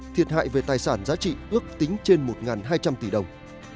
thiệt hại về tài sản giá trị ước tính trên một hai trăm linh tỷ đồng